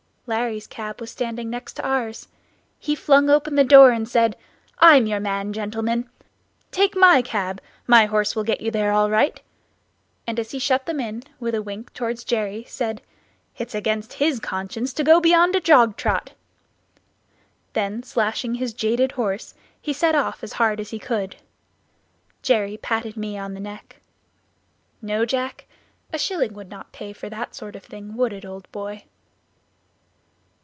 Larry's cab was standing next to ours; he flung open the door, and said, "I'm your man, gentlemen! take my cab, my horse will get you there all right;" and as he shut them in, with a wink toward Jerry, said, "It's against his conscience to go beyond a jog trot." Then slashing his jaded horse, he set off as hard as he could. Jerry patted me on the neck: "No, Jack, a shilling would not pay for that sort of thing, would it, old boy?"